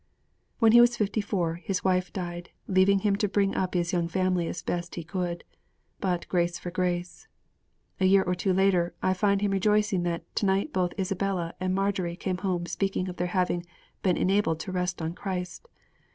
When he was fifty four, his wife died, leaving him to bring up his young family as best he could. But 'grace for grace.' A year or two later, I find him rejoicing that 'to night both Isabella and Marjory came home speaking of their having been enabled to rest on Christ.